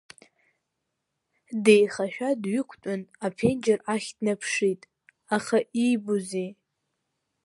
Деихашәа дҩықәтәан, аԥенџьыр ахь днаԥшит, аха иибозеи?